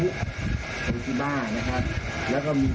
บูรค่าความเสียหายเป็น๕แสนบาทได้อะค่ะ